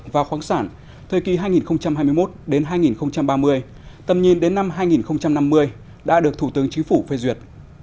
và khoáng sản thời kỳ hai nghìn hai mươi một hai nghìn ba mươi tầm nhìn đến năm hai nghìn năm mươi đã được thủ tướng chính phủ phê duyệt